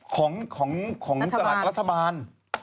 ของจัดรัฐบาล